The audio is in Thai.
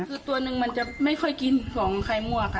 คือตัวหนึ่งมันจะไม่ค่อยกินของไข่มั่วค่ะ